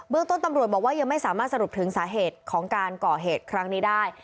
เรื่องต้นตำรวจบอกว่ายังไม่สามารถสรุปถึงสาเหตุของการก่อเหตุครั้งนี้ได้